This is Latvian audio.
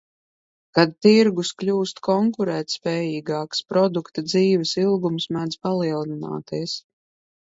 Kad tirgus kļūst konkurētspējīgāks, produkta dzīves ilgums mēdz palielināties.